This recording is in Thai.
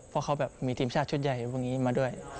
เพราะเขาแบบมีทีมชาติชุดใหญ่พวกนี้มาด้วย